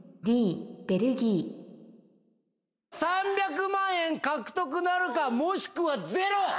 ベルギー３００万円獲得なるかもしくはゼロ！